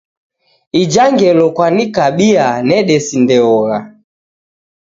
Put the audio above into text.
Ijha ngelo kwanikabia nedesindeogha.